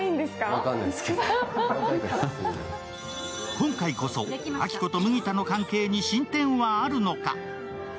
今回こそ亜希子と麦田の関係に進展はあるのか？